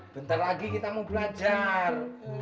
bentar lagi kita mau belajar